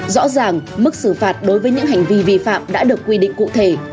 rõ ràng mức xử phạt đối với những hành vi vi phạm đã được quy định cụ thể